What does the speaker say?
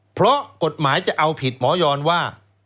เพราะกฎหมายจะเอาผิดหมอยอนว่า